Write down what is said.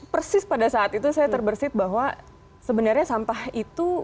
persis pada saat itu saya terbersih bahwa sebenarnya sampah itu